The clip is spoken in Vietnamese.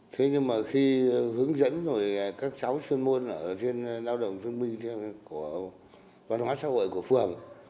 thế nhưng mà khi hướng dẫn rồi các cháu chuyên môn ở trên lao động thương binh của văn hóa xã hội của phường